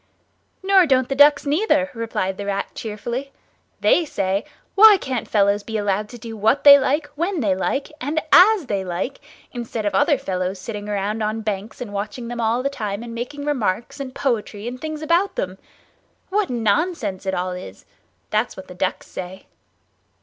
"Nor don't the ducks neither," replied the Rat cheerfully. "They say, 'Why can't fellows be allowed to do what they like when they like and as they like, instead of other fellows sitting on banks and watching them all the time and making remarks and poetry and things about them? What nonsense it all is!' That's what the ducks say."